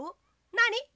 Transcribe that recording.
なに？